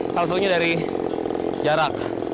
salah satunya dari jarak